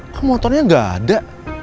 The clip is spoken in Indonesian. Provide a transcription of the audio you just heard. kok motornya gak ada